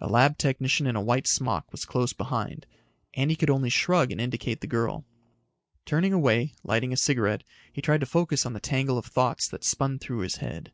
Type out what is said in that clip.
A lab technician in a white smock was close behind. Andy could only shrug and indicate the girl. Turning away, lighting a cigarette, he tried to focus on the tangle of thoughts that spun through his head.